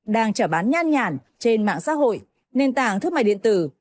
đang trở bán nhan nhản trên mạng xã hội nền tảng thương mại điện tử